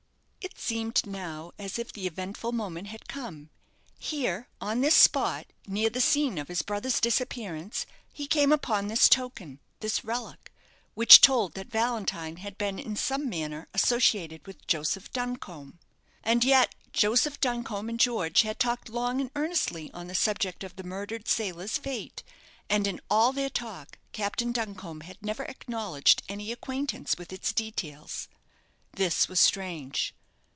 It seemed now as if the eventful moment had come. Here, on this spot, near the scene of his brother's disappearance, he came upon this token this relic, which told that Valentine had been in some manner associated with Joseph Duncombe. And yet Joseph Duncombe and George had talked long and earnestly on the subject of the murdered sailor's fate, and in all their talk Captain Duncombe had never acknowledged any acquaintance with its details. This was strange.